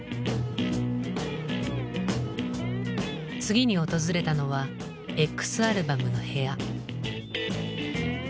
次に訪れたのはＸアルバムの部屋。